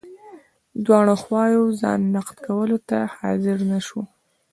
دواړو خواوو ځان نقد کولو ته حاضره نه شوه.